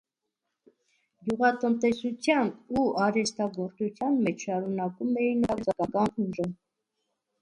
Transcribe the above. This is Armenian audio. Գյուղատնտեսության ու արհեստագործության մեջ շարունակում էին օգտագործել ստրկական ուժը։